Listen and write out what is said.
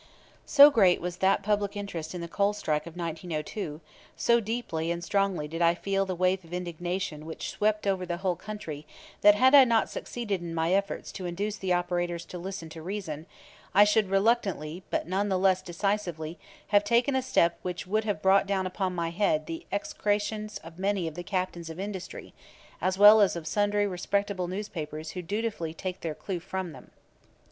So great was that public interest in the Coal Strike of 1902, so deeply and strongly did I feel the wave of indignation which swept over the whole country that had I not succeeded in my efforts to induce the operators to listen to reason, I should reluctantly but none the less decisively have taken a step which would have brought down upon my head the execrations of many of "the captains of industry," as well as of sundry "respectable" newspapers who dutifully take their cue from them.